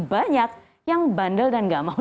banyak yang bandel dan gak mau